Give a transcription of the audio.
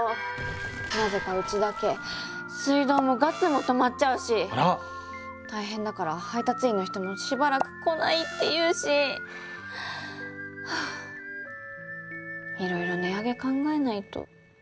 なぜかうちだけ水道もガスも止まっちゃうし大変だから配達員の人もしばらく来ないっていうしはぁいろいろ値上げ考えないと。